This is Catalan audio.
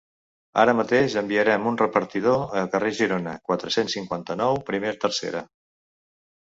Ara mateix enviarem un repartidor a Carrer Girona quatre-cents cinquanta-nou primer tercera.